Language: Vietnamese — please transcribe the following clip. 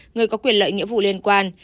người có quyền lợi nghĩa vụ liên quan